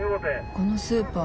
このスーパー